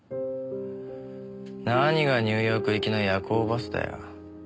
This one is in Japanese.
何がニューヨーク行きの夜行バスだよ。